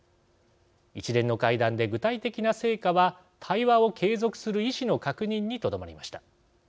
一連の会談で、具体的な成果は対話を継続する意思の確認にとどまりました。